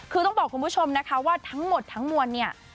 คือต้องบอกคุณผู้ชมนะคะว่าทั้งหมดทั้งมวลเนี่ย